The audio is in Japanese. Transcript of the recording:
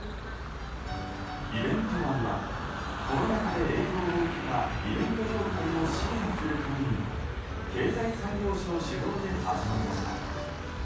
イベント割はコロナ禍で影響を受けたイベント業界を支援するために経済産業省主導で始まりました。